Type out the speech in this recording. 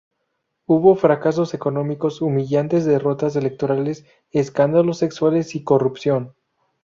Hubo fracasos económicos, humillantes derrotas electorales, escándalos sexuales y corrupción.